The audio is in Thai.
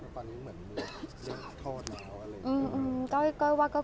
พอตอนนี้เหมือนเรียกโทษแล้วอะไรอย่างเงี้ย